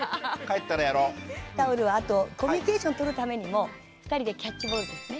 タオルはあとコミュニケーションとるためにも２人でキャッチボールですね。